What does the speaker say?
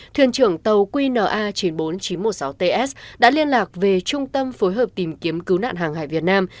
thuyền trưởng tàu qna chín mươi bốn nghìn chín trăm một mươi sáu ts đã liên lạc về trung tâm phối hợp tìm kiếm cứu nạn hàng hải việt nam